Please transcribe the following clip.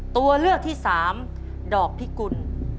ตัวเลือกที่๓ดอกพิกุล